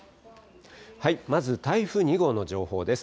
まず台風２号の情報です。